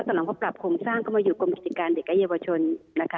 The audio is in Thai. จนก็ปรับคมสร้างก็มาอยู่กรมวิถีการเด็กไก่เยาวชนนะคะ